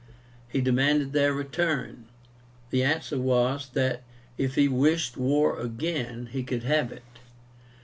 He demanded their return. The answer was, that, if he wished war again, he could have it.